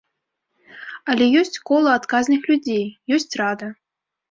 Але ёсць кола адказных людзей, ёсць рада.